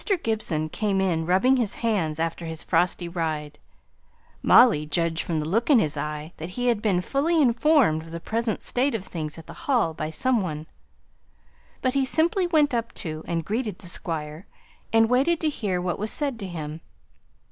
Mr. Gibson came in rubbing his hands after his frosty ride. Molly judged from the look in his eye that he had been fully informed of the present state of things at the Hall by some one. But he simply went up to and greeted the Squire, and waited to hear what was said to him.